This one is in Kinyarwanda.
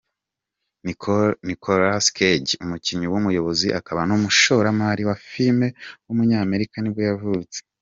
Nicolas Cage, umukinnyi, umuyobozi akaba n’umushoramari wa filime w’umunyamerika nibwo yavutse.